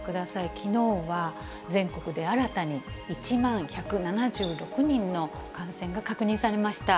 きのうは全国で新たに１万１７６人の感染が確認されました。